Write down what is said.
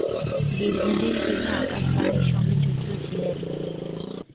দীর্ঘদিন তিনি আকাশবাণীর সঙ্গে যুক্ত ছিলেন।